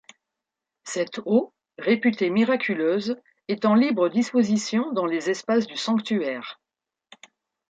Cette eau, réputée miraculeuse, est en libre disposition dans les espaces du sanctuaire.